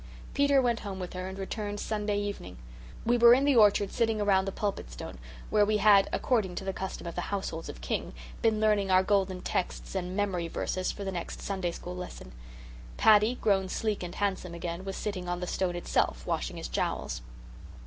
Peter went home with her and returned Sunday evening. We were in the orchard sitting around the Pulpit Stone, where we had, according to the custom of the households of King, been learning our golden texts and memory verses for the next Sunday School lesson. Paddy, grown sleek and handsome again, was sitting on the stone itself, washing his jowls.